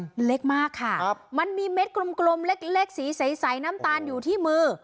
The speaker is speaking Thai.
มันเล็กมากค่ะครับมันมีเม็ดกลมเล็กเล็กสีใสน้ำตาลอยู่ที่มือ